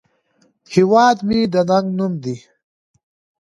هیواد مې د ننگ نوم دی